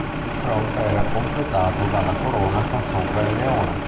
Il fronte era completato dalla corona con sopra il leone.